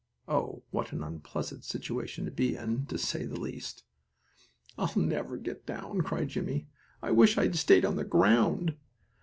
Oh, what an unpleasant situation to be in, to say the least! "Oh, I'll never get down!" cried Jimmie. "I wish I'd stayed on the ground!"